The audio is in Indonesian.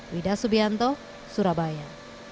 widah subianto surabaya